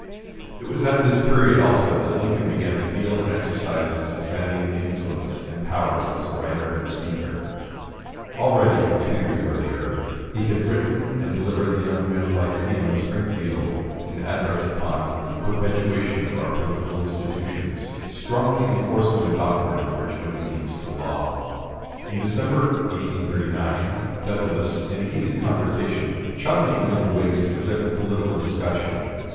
It was at this period also that Lincoln began to feel and exercise his expanding influence and powers as a writer and speaker. Already, two years earlier, he had written and delivered before the Young Men's Lyceum of Springfield an able address upon "The Perpetuation of Our Political Institutions," strongly enforcing the doctrine of rigid obedience to law. In December, 1839, Douglas, in a heated conversation, challenged the young Whigs present to a political discussion.